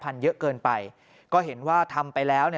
เพราะคนที่เป็นห่วงมากก็คุณแม่ครับ